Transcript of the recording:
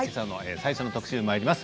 最初の特集にまいります。